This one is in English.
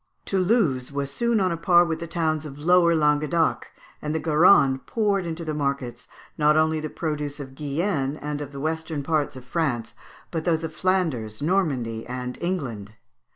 Toulouse was soon on a par with the towns of Lower Languedoc, and the Garonne poured into the markets, not only the produce of Guienne, and of the western parts of France, but also those of Flanders, Normandy, and England.